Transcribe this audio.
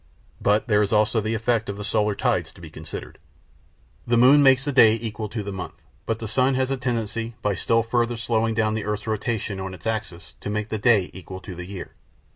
But there is also the effect of the solar tides to be considered. The moon makes the day equal to the month, but the sun has a tendency, by still further slowing down the earth's rotation on its axis, to make the day equal to the year.